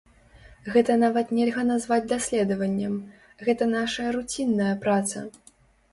Гэта нават нельга назваць даследаваннем, гэта нашая руцінная праца.